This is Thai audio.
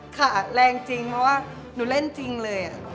ข้าแรงจริงเพราะว่านุเล่นจริงเลยอะ